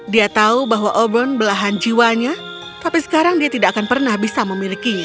dia tahu bahwa overn belahan jiwanya tapi sekarang dia tidak akan pernah bisa memilikinya